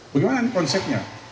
bagaimana ini konsepnya